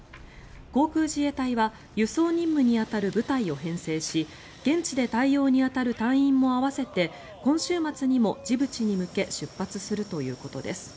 航空自衛隊は輸送任務に当たる部隊を編成し現地で対応に当たる隊員も合わせて今週末にもジブチに向け出発するということです。